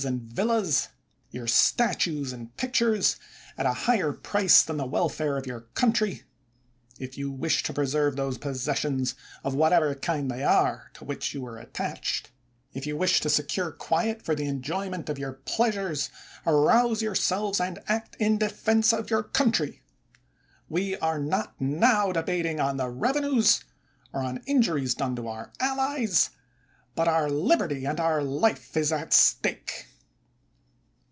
230 CATO THE YOUNGER and villas, your statues and pictures, at a higher price than the welfare of your country, if you wish to preserve those possessions, of whatever kind they are, to which you are attached ; if you wish to secure quiet for the enjoyment of your pleasures, arouse yourselves and act in defense of your country. We are not now debating on the revenues, or on injuries done to our allies, but our liberty and our life is at stake.